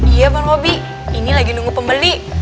iya bang hobi ini lagi nunggu pembeli